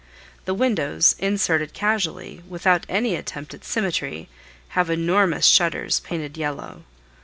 The windows, inserted casually, without any attempt at symmetry, have enormous shutters, painted yellow.